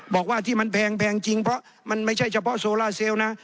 บอกว่าที่มันแพงจริงเพราะมันไม่ใช่เฉพาะโซล่าเซลล์นะ